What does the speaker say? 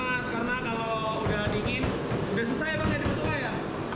karena kalau udah dingin udah susah ya pakai di situ pak ya